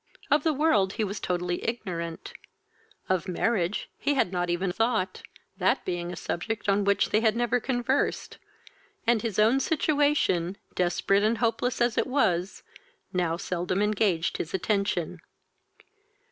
Of the world he was totally ignorant; of marriage he had not even thought, that being a subject on which they had never conversed, and his own situation, desperate and hopeless as it was, now seldom engaged his attention.